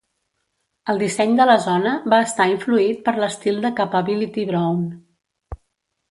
El disseny de la zona va estar influït per l'estil de Capability Brown.